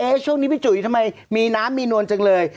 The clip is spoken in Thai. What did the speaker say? ช่วงนี้พี่จุ๋ยทำไมมีน้ำมีนวลจังเลย